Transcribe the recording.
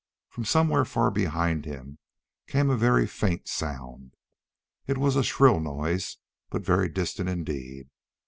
From somewhere far behind him came a very faint sound. It was a shrill noise, but very distant indeed.